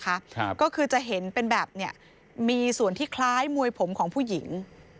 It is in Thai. ครับก็คือจะเห็นเป็นแบบเนี้ยมีส่วนที่คล้ายมวยผมของผู้หญิง